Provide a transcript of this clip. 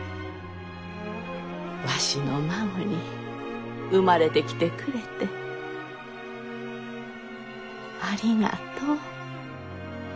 わしの孫に生まれてきてくれてありがとう。